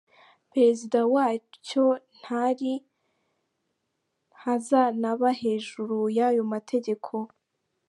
Perezida wacyo ntari, ntazanaba hejuru y’ayo mategeko.